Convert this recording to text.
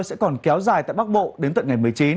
sẽ còn kéo dài tại bắc bộ đến tận ngày một mươi chín